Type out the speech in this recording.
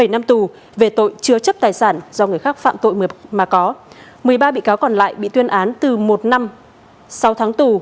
bảy năm tù về tội chứa chấp tài sản do người khác phạm tội mà có một mươi ba bị cáo còn lại bị tuyên án từ một năm sáu tháng tù